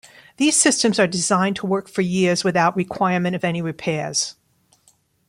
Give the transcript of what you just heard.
These systems are designed to work for years without requirement of any repairs.